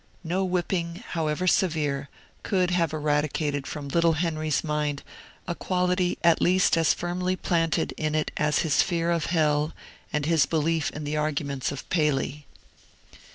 No whipping, however severe, could have eradicated from little Henry's mind a quality at least as firmly planted in it as his fear of Hell and his belief in the arguments of Paley.